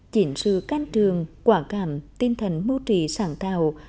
chỉnh sư canh trường quả cảm tinh thần mưu trì sáng tạo